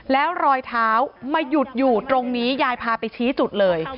แล้วรอยเท้ามาหยุดอยู่ตรงนี้ยายพาไปชี้จุดเลย